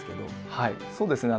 はいそうですね